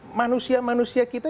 yang membuat manusia manusia kita